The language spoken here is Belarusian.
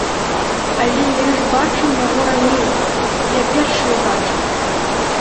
Але я ж бачыў яго раней, я першы ўбачыў.